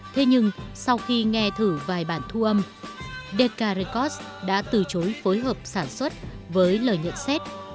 thế nhưng sau khi nghe thử vài bản thu âm dkrecus đã từ chối phối hợp sản xuất với lời nhận xét